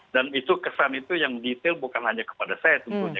dan itu kesan itu yang detail bukan hanya kepada saya tentunya